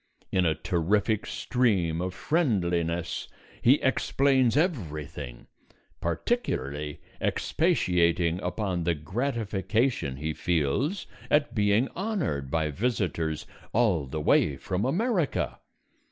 In a terrific stream of friendliness he explains everything, particularly expatiating upon the gratification he feels at being honoured by visitors all the way from America.